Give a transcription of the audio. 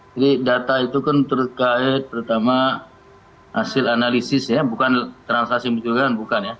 jadi data itu kan terkait pertama hasil analisis ya bukan transaksi mutiungan bukan ya